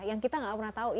yang kita nggak pernah tahu